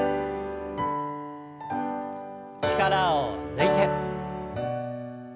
力を抜いて。